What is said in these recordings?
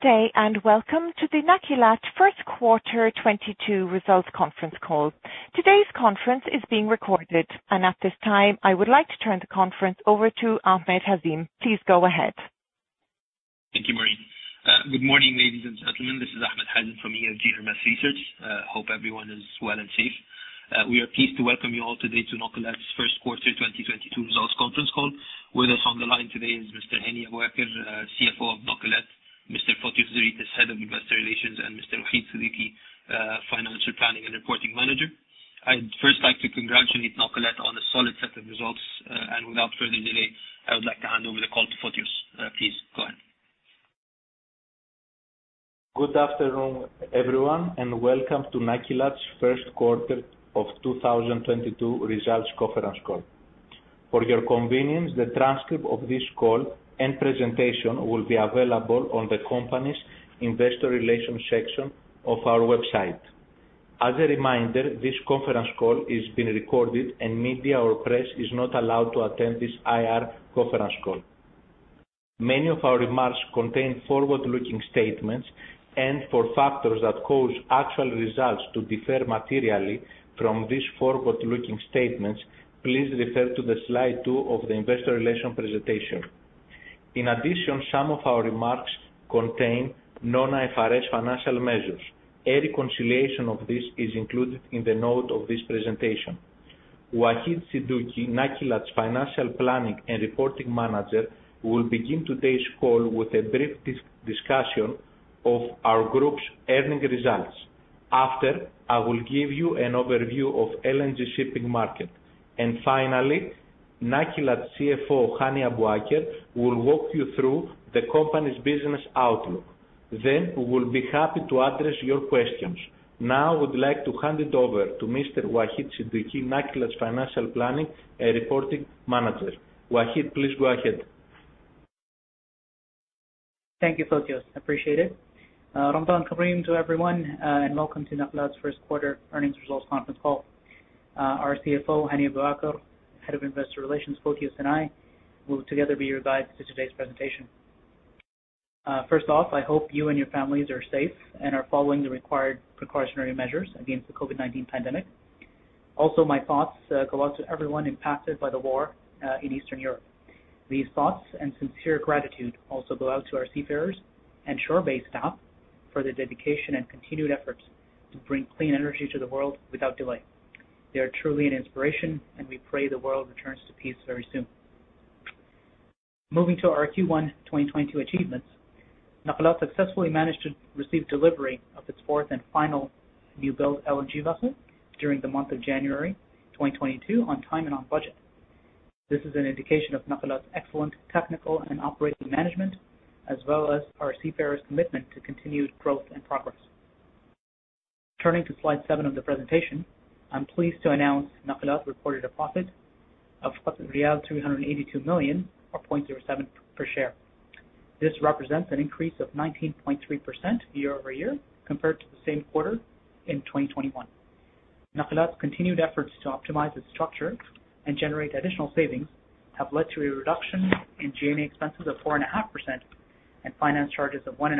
Good day, and welcome to the Nakilat first quarter 2022 results conference call. Today's conference is being recorded. At this time, I would like to turn the conference over to Ahmed Hazem. Please go ahead. Thank you, Maureen. Good morning, ladies and gentlemen. This is Ahmed Hazem from EFG Hermes Research. Hope everyone is well and safe. We are pleased to welcome you all today to Nakilat's first quarter 2022 results conference call. With us on the line today is Mr. Hani Abuaker, CFO of Nakilat, Mr. Fotios Zeritis, Head of Investor Relations, and Mr. Waheed Siddiqi, Financial Planning and Reporting Manager. I'd first like to congratulate Nakilat on a solid set of results. Without further delay, I would like to hand over the call to Fotios. Please go ahead. Good afternoon, everyone, and welcome to Nakilat's first quarter of 2022 results conference call. For your convenience, the transcript of this call and presentation will be available on the company's investor relations section of our website. As a reminder, this conference call is being recorded and media or press is not allowed to attend this IR conference call. Many of our remarks contain forward-looking statements and for factors that cause actual results to differ materially from these forward-looking statements, please refer to slide 2 of the investor relations presentation. In addition, some of our remarks contain non-IFRS financial measures. A reconciliation of this is included in the note of this presentation. Waheed Siddiqi, Nakilat's Financial Planning and Reporting Manager, will begin today's call with a brief discussion of our group's earnings results. After, I will give you an overview of LNG shipping market. Finally, Nakilat CFO, Hani Abuaker, will walk you through the company's business outlook. We will be happy to address your questions. Now I would like to hand it over to Mr. Waheed Siddiqi, Nakilat's Financial Planning and Reporting Manager. Waheed, please go ahead. Thank you, Fotios. Appreciate it. Ramadan Kareem to everyone, and welcome to Nakilat's first quarter earnings results conference call. Our CFO, Hani Abuaker, Head of Investor Relations, Fotios, and I will together be your guides to today's presentation. First off, I hope you and your families are safe and are following the required precautionary measures against the COVID-19 pandemic. Also, my thoughts go out to everyone impacted by the war in Eastern Europe. These thoughts and sincere gratitude also go out to our seafarers and shore-based staff for their dedication and continued efforts to bring clean energy to the world without delay. They are truly an inspiration, and we pray the world returns to peace very soon. Moving to our Q1 2022 achievements, Nakilat successfully managed to receive delivery of its fourth and final new build LNG vessel during the month of January 2022 on time and on budget. This is an indication of Nakilat's excellent technical and operating management, as well as our seafarers' commitment to continued growth and progress. Turning to slide 7 of the presentation, I'm pleased to announce Nakilat reported a profit of 382 million or 0.07 per share. This represents an increase of 19.3% year-over-year compared to the same quarter in 2021. Nakilat's continued efforts to optimize its structure and generate additional savings have led to a reduction in G&A expenses of 4.5% and finance charges of 1.5%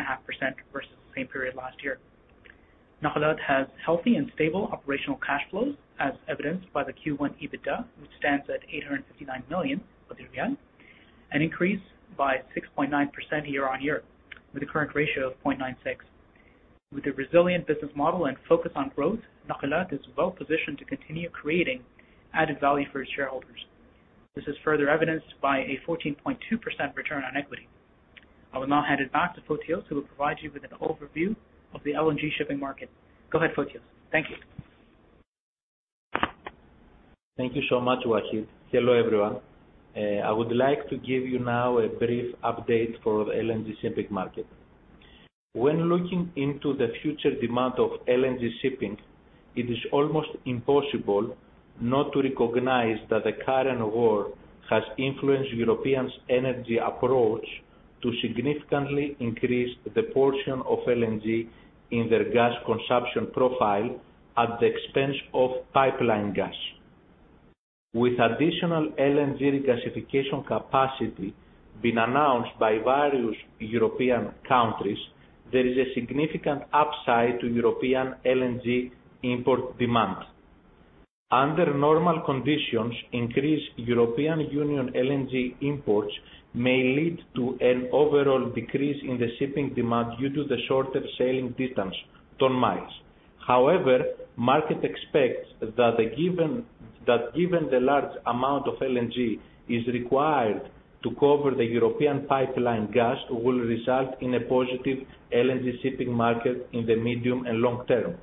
versus the same period last year. Nakilat has healthy and stable operational cash flows as evidenced by the Q1 EBITDA, which stands at 859 million, an increase by 6.9% year-on-year, with a current ratio of 0.96. With a resilient business model and focus on growth, Nakilat is well positioned to continue creating added value for its shareholders. This is further evidenced by a 14.2% return on equity. I will now hand it back to Fotios who will provide you with an overview of the LNG shipping market. Go ahead, Fotios. Thank you. Thank you so much, Waheed. Hello, everyone. I would like to give you now a brief update for the LNG shipping market. When looking into the future demand of LNG shipping, it is almost impossible not to recognize that the current war has influenced Europe's energy approach to significantly increase the portion of LNG in their gas consumption profile at the expense of pipeline gas. With additional LNG regasification capacity being announced by various European countries, there is a significant upside to European LNG import demand. Under normal conditions, increased European Union LNG imports may lead to an overall decrease in the shipping demand due to the shorter sailing distance ton-miles. However, market expects that given the large amount of LNG is required to cover the European pipeline gas will result in a positive LNG shipping market in the medium and long term.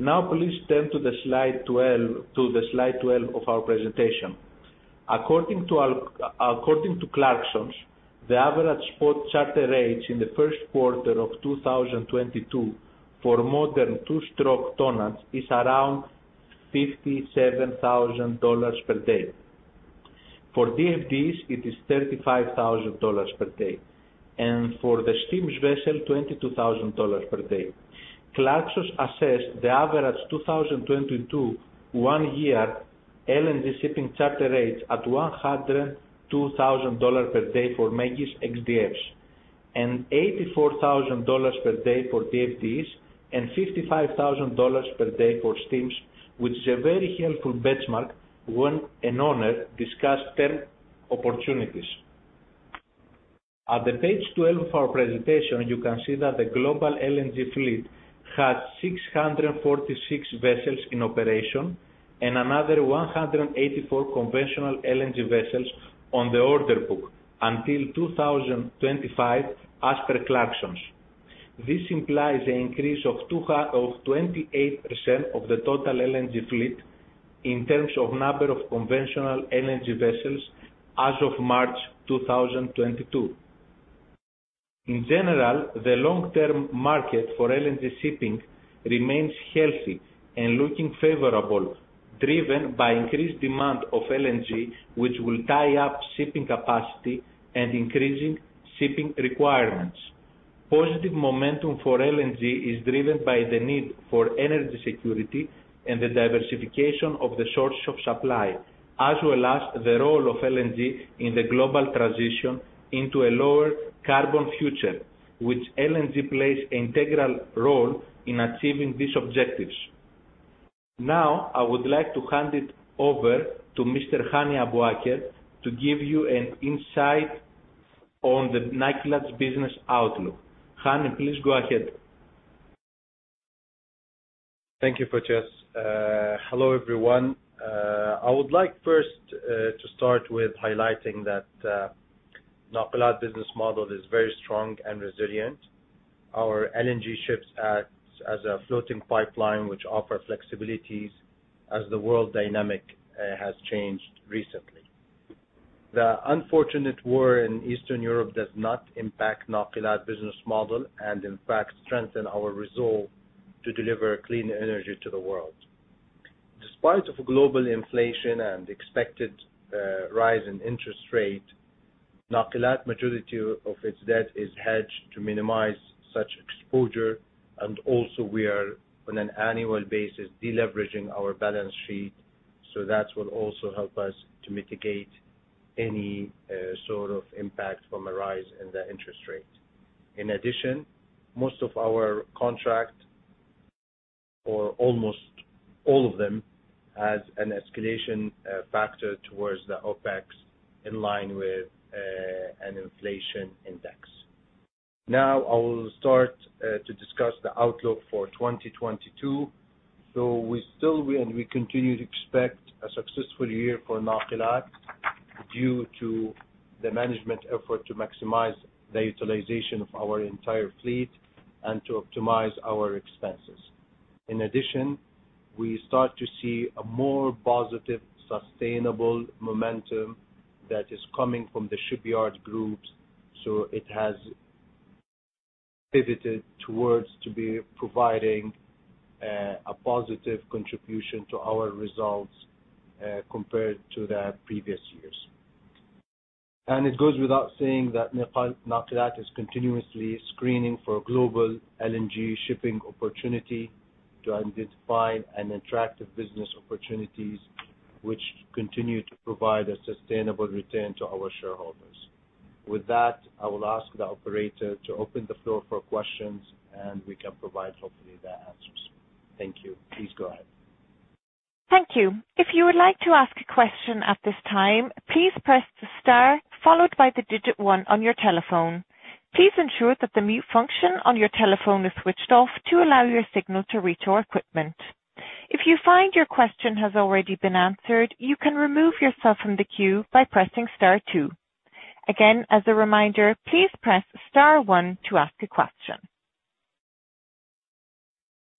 Now please turn to slide 12 of our presentation. According to Clarksons, the average spot charter rates in the first quarter of 2022 for modern two-stroke tankers is around $57,000 per day. For DFDE, it is $35,000 per day. For the steam vessel, $22,000 per day. Clarksons assessed the average 2022 1-year LNG shipping charter rates at $102,000 per day for ME-GI X-DFs and $84,000 per day for DFDE and $55,000 per day for steams, which is a very helpful benchmark when an owner discusses term opportunities. At page 12 of our presentation, you can see that the global LNG fleet has 646 vessels in operation and another 184 conventional LNG vessels on the order book until 2025 as per Clarksons. This implies an increase of 28% of the total LNG fleet in terms of number of conventional LNG vessels as of March 2022. In general, the long-term market for LNG shipping remains healthy and looking favorable, driven by increased demand of LNG, which will tie up shipping capacity and increasing shipping requirements. Positive momentum for LNG is driven by the need for energy security and the diversification of the source of supply, as well as the role of LNG in the global transition into a lower carbon future, which LNG plays integral role in achieving these objectives. Now, I would like to hand it over to Mr. Hani Abuaker to give you an insight on the Nakilat business outlook. Hani, please go ahead. Thank you, Fotios. Hello, everyone. I would like first to start with highlighting that Nakilat business model is very strong and resilient. Our LNG ships acts as a floating pipeline which offer flexibilities as the world dynamic has changed recently. The unfortunate war in Eastern Europe does not impact Nakilat business model and in fact strengthen our resolve to deliver clean energy to the world. Despite of global inflation and expected rise in interest rate, Nakilat majority of its debt is hedged to minimize such exposure and also we are on an annual basis deleveraging our balance sheet. That will also help us to mitigate any sort of impact from a rise in the interest rate. In addition, most of our contract or almost all of them has an escalation factor towards the OpEx in line with an inflation index. Now I will start to discuss the outlook for 2022. We continue to expect a successful year for Nakilat due to the management effort to maximize the utilization of our entire fleet and to optimize our expenses. In addition, we start to see a more positive, sustainable momentum that is coming from the shipyard groups, so it has pivoted towards to be providing a positive contribution to our results compared to the previous years. It goes without saying that Nakilat is continuously screening for global LNG shipping opportunity to identify an attractive business opportunities which continue to provide a sustainable return to our shareholders. With that, I will ask the operator to open the floor for questions, and we can provide, hopefully, the answers. Thank you. Please go ahead. Thank you. If you would like to ask a question at this time, please press the star followed by the digit one on your telephone. Please ensure that the mute function on your telephone is switched off to allow your signal to reach our equipment. If you find your question has already been answered, you can remove yourself from the queue by pressing star two. Again, as a reminder, please press star one to ask a question.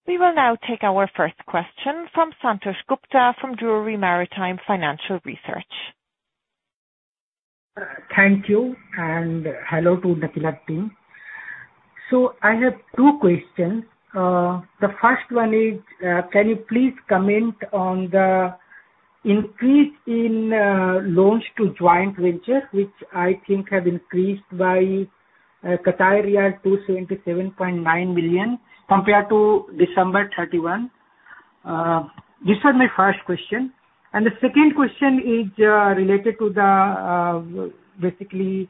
We will now take our first question from Santosh Gupta from Drewry Maritime Financial Research. Thank you, and hello to Nakilat team. I have two questions. The first one is, can you please comment on the increase in loans to joint venture, which I think have increased by 277.9 million compared to December 31? This was my first question. The second question is related to the basically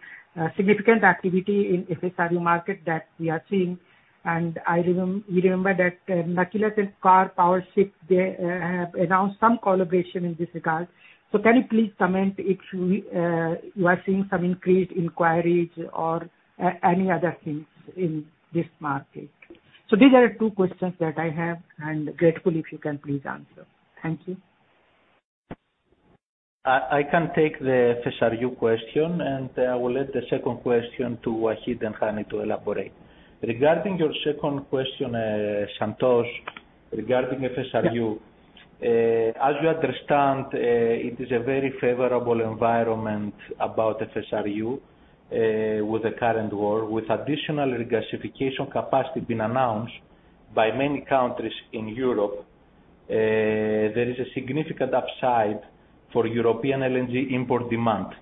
significant activity in FSRU market that we are seeing. I remember that Nakilat and Karpowership they have announced some collaboration in this regard. Can you please comment if you you are seeing some increased inquiries or any other things in this market? These are two questions that I have and grateful if you can please answer. Thank you. I can take the FSRU question, and I will let the second question to Waheed and Hani to elaborate. Regarding your second question, Santosh, regarding FSRU, as you understand, it is a very favorable environment about FSRU, with the current war, with additional regasification capacity being announced by many countries in Europe, there is a significant upside for European LNG import demand.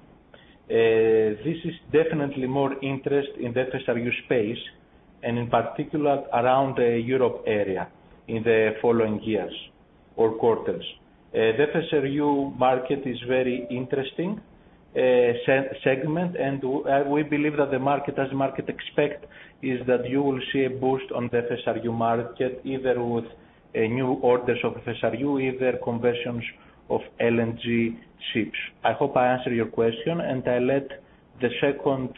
This is definitely more interest in the FSRU space and in particular around the Europe area in the following years or quarters. The FSRU market is very interesting segment, and we believe that the market, as the market expect, is that you will see a boost on the FSRU market, either with new orders of FSRU, either conversions of LNG ships. I hope I answered your question, and I let the second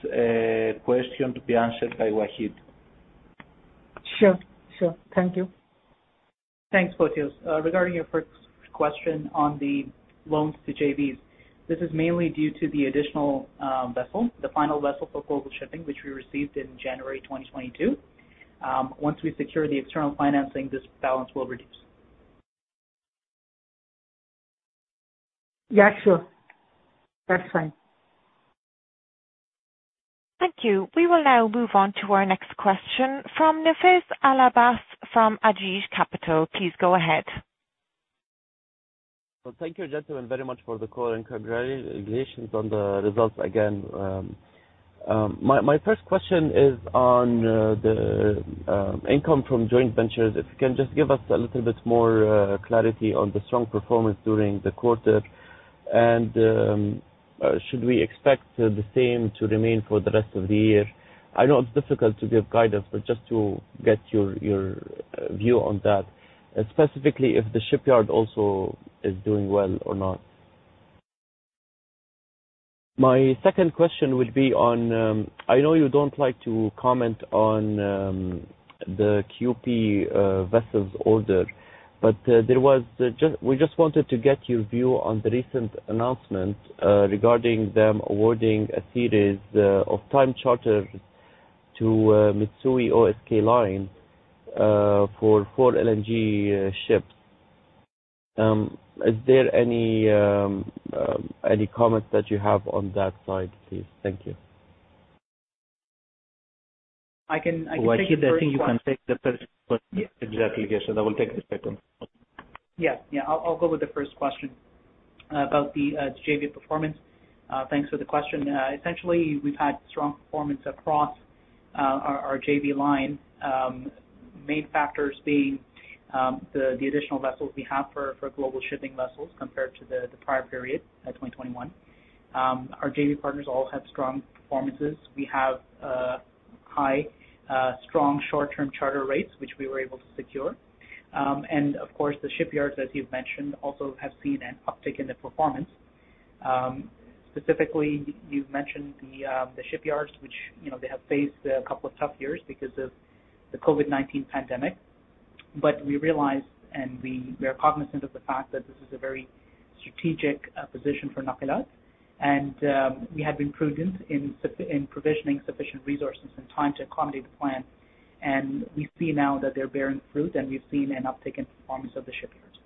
question to be answered by Waheed Siddiqi. Sure. Sure. Thank you. Thanks, Fotios. Regarding your first question on the loans to JVs, this is mainly due to the additional vessel, the final vessel for Global Shipping, which we received in January 2022. Once we secure the external financing, this balance will reduce. Yeah, sure. That's fine. Thank you. We will now move on to our next question from Nafez Al Abbas from Ajeej Capital. Please go ahead. Well, thank you, gentlemen, very much for the call and congratulations on the results again. My first question is on the income from joint ventures. If you can just give us a little bit more clarity on the strong performance during the quarter and should we expect the same to remain for the rest of the year? I know it's difficult to give guidance, but just to get your view on that, specifically if the shipyard also is doing well or not. My second question will be on the QatarEnergy vessels order. I know you don't like to comment on it, but we just wanted to get your view on the recent announcement regarding them awarding a series of time charters to Mitsui O.S.K. Lines for four LNG ships. Is there any comments that you have on that side, please? Thank you. I can take the first one. Waheed, I think you can take the first question. Yeah. Exactly. Yeah. I will take the second one. I'll go with the first question about the JV performance. Thanks for the question. Essentially, we've had strong performance across our JV line, main factors being the additional vessels we have for global shipping vessels compared to the prior period, 2021. Our JV partners all have strong performances. We have high strong short-term charter rates, which we were able to secure. Of course, the shipyards, as you've mentioned, also have seen an uptick in the performance. Specifically, you've mentioned the shipyards, which you know, they have faced a couple of tough years because of the COVID-19 pandemic. We realized and we are cognizant of the fact that this is a very strategic position for Nakilat. We have been prudent in provisioning sufficient resources and time to accommodate the plan. We see now that they're bearing fruit, and we've seen an uptick in performance of the shipyards.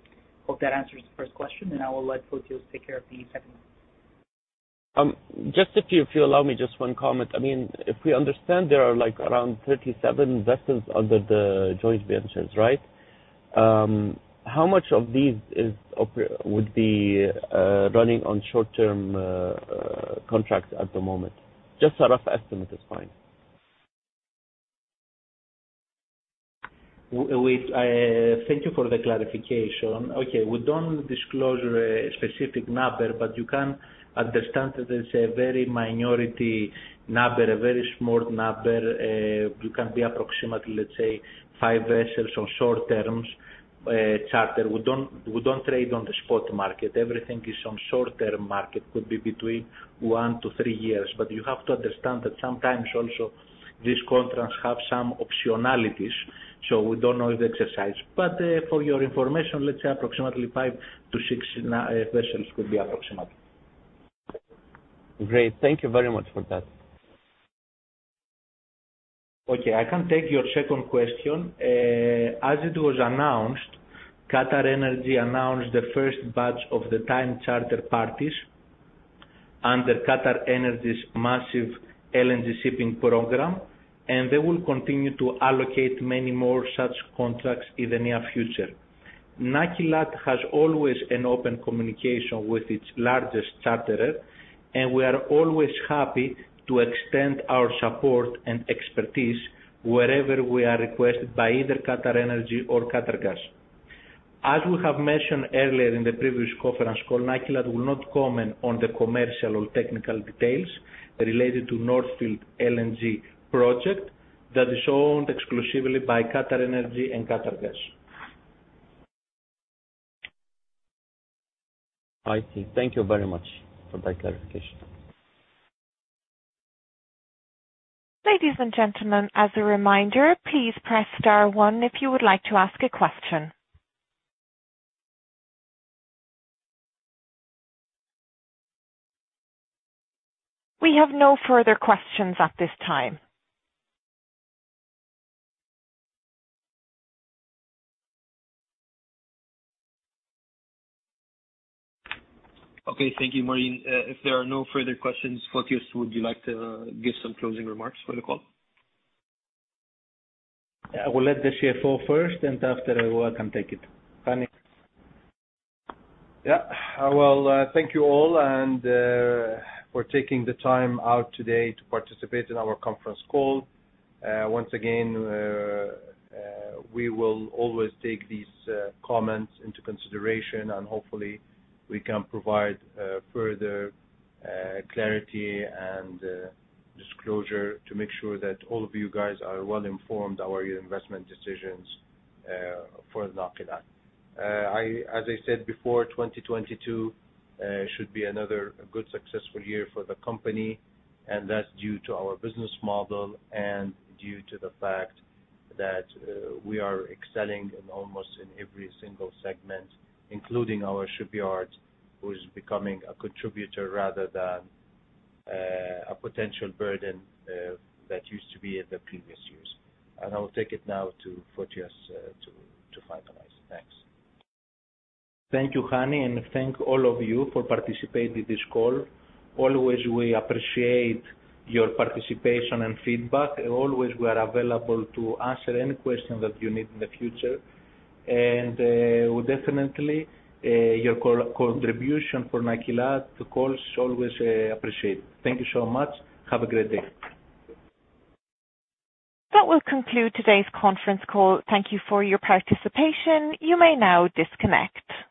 Hope that answers the first question, and I will let Fotios take care of the second one. Just if you, if you allow me just one comment. I mean, if we understand there are, like, around 37 vessels under the joint ventures, right? How much of these would be running on short-term contracts at the moment? Just a rough estimate is fine. Thank you for the clarification. Okay. We don't disclose a specific number, but you can understand that there's a very minor number, a very small number. It can be approximately, let's say, five vessels on short-term charter. We don't trade on the spot market. Everything is on short-term market, could be between one to three years. You have to understand that sometimes also these contracts have some optionalities, so we don't always exercise. For your information, let's say approximately five to six vessels could be approximately. Great. Thank you very much for that. I can take your second question. As it was announced, QatarEnergy announced the first batch of the time charter parties under QatarEnergy's massive LNG shipping program, and they will continue to allocate many more such contracts in the near future. Nakilat has always an open communication with its largest charterer, and we are always happy to extend our support and expertise wherever we are requested by either QatarEnergy or Qatar Gas. As we have mentioned earlier in the previous conference call, Nakilat will not comment on the commercial or technical details related to North Field LNG project that is owned exclusively by QatarEnergy and Qatar Gas. I see. Thank you very much for that clarification. Ladies and gentlemen, as a reminder, please press star one if you would like to ask a question. We have no further questions at this time. Okay. Thank you, Maureen. If there are no further questions, Fotios, would you like to give some closing remarks for the call? I will let the CFO first, and after I will come take it. Hani? Yeah. I will thank you all and for taking the time out today to participate in our conference call. Once again we will always take these comments into consideration, and hopefully, we can provide further clarity and disclosure to make sure that all of you guys are well informed about your investment decisions for Nakilat. I, as I said before, 2022 should be another good successful year for the company, and that's due to our business model and due to the fact that we are excelling in almost in every single segment, including our shipyards, who is becoming a contributor rather than a potential burden that used to be in the previous years. I will take it now to Fotios to finalize. Thanks. Thank you, Hani, and thank all of you for participating in this call. Always, we appreciate your participation and feedback. Always, we are available to answer any question that you need in the future. We definitely appreciate your contribution to Nakilat calls always. Thank you so much. Have a great day. That will conclude today's conference call. Thank you for your participation. You may now disconnect.